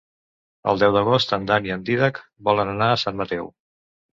El deu d'agost en Dan i en Dídac volen anar a Sant Mateu.